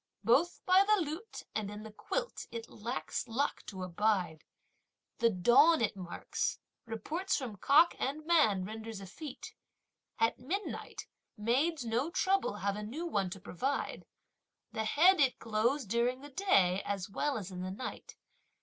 Both by the lute and in the quilt, it lacks luck to abide! The dawn it marks; reports from cock and man renders effete! At midnight, maids no trouble have a new one to provide! The head, it glows during the day, as well as in the night!